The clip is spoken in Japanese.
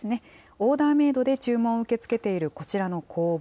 オーダーメードで注文を受け付けているこちらの工房。